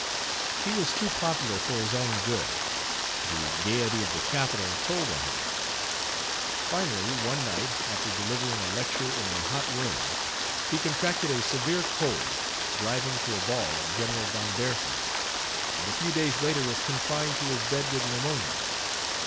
He was too popular for his own good; the gaiety of the capital told on him. Finally, one night, after delivering a lecture in a hot room, he contracted a severe cold, driving to a ball at General von Versen's, and a few days later was confined to his bed with pneumonia.